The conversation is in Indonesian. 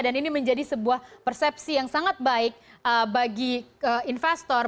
dan ini menjadi sebuah persepsi yang sangat baik bagi investor